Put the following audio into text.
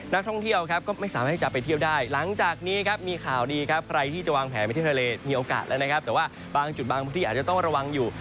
แต่ว่าบางจุดบางพวกที่อาจจะต้องระวังอยู่